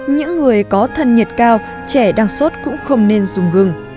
những người có thân nhiệt cao trẻ đang sốt cũng không nên dùng gừng